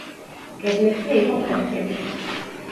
კედლებზე იყო ფრესკები.